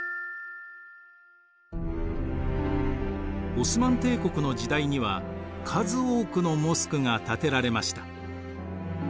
オスマン帝国の時代には数多くのモスクが建てられました。